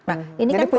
nah ini kan program